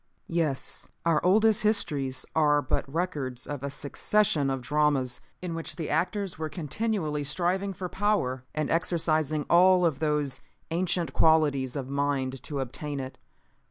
"Yes. Our oldest histories are but records of a succession of dramas in which the actors were continually striving for power and exercising all of those ancient qualities of mind to obtain it.